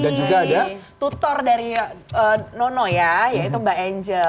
dan juga ada tutor dari nono ya yaitu mbak angel